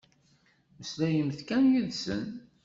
Mmeslayemt kan yid-sen.